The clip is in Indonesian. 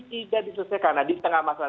tidak diselesaikan di tengah masalah